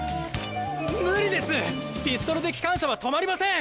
無理ですピストルで機関車は止まりません！